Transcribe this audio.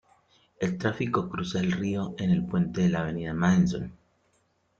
El tráfico cruza el río en el Puente de la Avenida Madison.